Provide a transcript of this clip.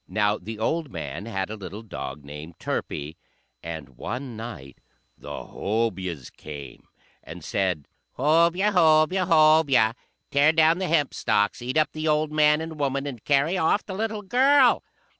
Now the old man had a little dog named Turpie; and one night the Hobyahs came and said, "Hobyah! Hobyah! Hobyah! Tear down the hempstalks, eat up the old man and woman, and carry off the little girl!"